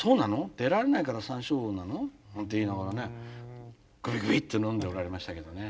出られないから山椒魚なの？」なんて言いながらねグビグビっと飲んでおられましたけどね。